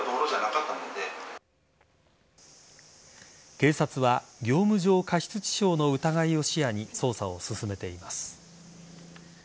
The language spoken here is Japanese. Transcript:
警察は業務上過失致傷の疑いを視野に捜査を進めています。